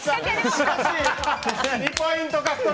しかし、２ポイント獲得。